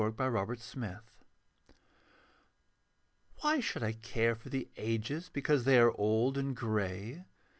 A NOVELTY Why should I care for the Ages Because they are old and grey?